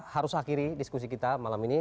harus akhiri diskusi kita malam ini